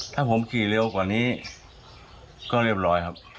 ถ้าผมขี่เร็วกว่านี้ก็เรียบร้อยครับ